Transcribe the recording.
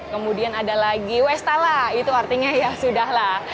kemudian ada lagi westala itu artinya ya sudah lah